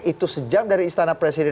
itu sejam dari istana presiden